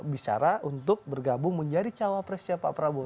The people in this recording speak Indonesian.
bicara untuk bergabung menjadi cawapresnya pak prabowo